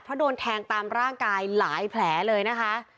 เพราะโดนแทงตามร่างกายหลายแผลเลยนะคะ